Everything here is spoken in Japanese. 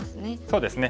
そうですね。